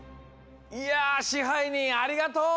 いや支配人ありがとう！